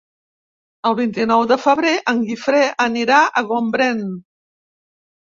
El vint-i-nou de febrer en Guifré anirà a Gombrèn.